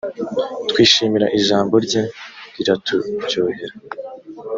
twishimira ijambo rye riraturyohera